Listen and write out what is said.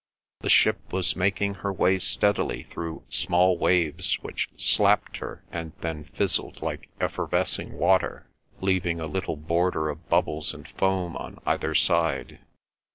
The ship was making her way steadily through small waves which slapped her and then fizzled like effervescing water, leaving a little border of bubbles and foam on either side.